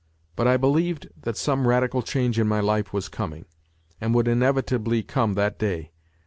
But I believed that some radical change in my life was coming, and would inevitably come that day.